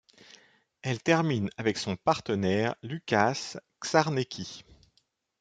Elle termine avec son partenaire Łukasz Czarnecki.